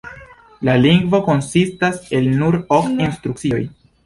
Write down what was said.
La lingvo konsistas el nur ok instrukcioj.